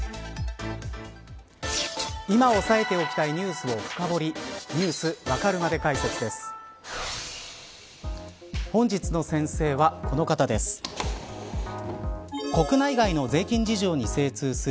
今押さえておきたいニュースを深堀Ｎｅｗｓわかるまで解説です。